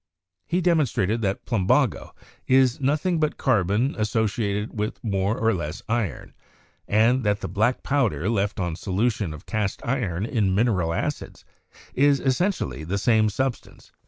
He demonstrated that plumbago is nothing but car bon associated with more or less iron, and that the black powder left on solution of cast iron in mineral acids is esentially the same substance.